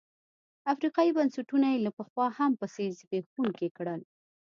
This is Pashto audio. افریقايي بنسټونه یې له پخوا هم پسې زبېښونکي کړل.